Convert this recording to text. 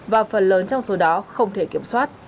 và phần lớn trong số đó không thể kiểm soát